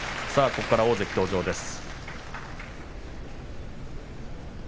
ここから大関登場です。